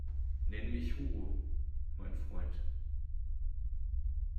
Nenn mich Hugo, mein Freund!